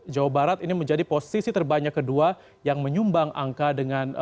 jawa barat ini menjadi posisi terbanyak kedua yang menyumbang angka dengan